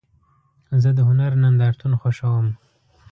زه د هنر نندارتون خوښوم.